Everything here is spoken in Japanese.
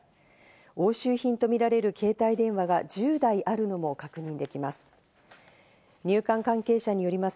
押収品とみられる携帯電話が１０台あるのも確認できます。